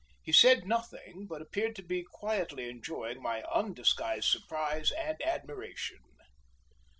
He said nothing, but appeared to be quietly enjoying my undisguised surprise and admiration.